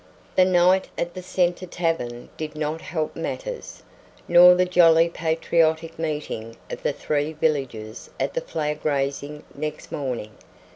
The night at the Centre tavern did not help matters, nor the jolly patriotic meeting of the three villages at the flag raising next morning.